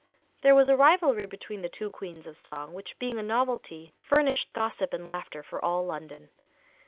There was a rivalry between the two queens of song, which being a novelty, furnished gossip and laughter for all London.